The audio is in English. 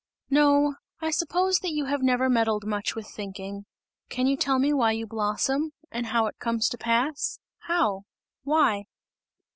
"No, I suppose that you have never meddled much with thinking! Can you tell me why you blossom? And how it comes to pass? How? Why?"